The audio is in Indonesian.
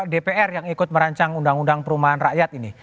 dpr yang ikut merancang undang undang perumahan rakyat ini